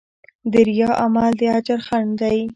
د ریا عمل د اجر خنډ دی.